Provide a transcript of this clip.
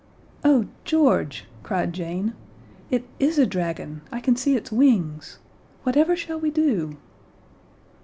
"Oh, George," cried Jane, "it is a dragon; I can see its wings. Whatever shall we do?"